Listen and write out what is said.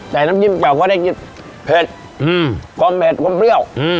แต่น้ำจิ้มแจ่วก็ได้กินเผ็ดอืมความเผ็ดความเปรี้ยวอืม